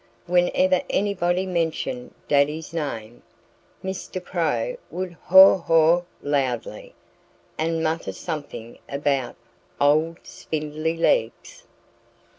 Whenever anybody mentioned Daddy's name, Mr. Crow would haw haw loudly and mutter something about "old Spindley Legs!"